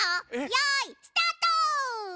よいスタート！